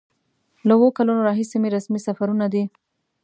له اوو کلونو راهیسې مې رسمي سفرونه دي.